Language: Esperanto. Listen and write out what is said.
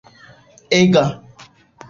ega